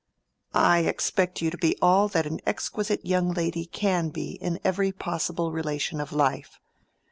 "I expect you to be all that an exquisite young lady can be in every possible relation of life.